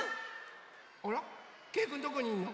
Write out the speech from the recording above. あらけいくんどこにいるの？